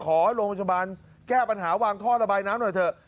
ขอให้โรงพยาบาลแก้ปัญหาวางท่อระบายน้ำหน่อยเถอะ